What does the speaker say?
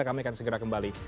kami akan segera kembali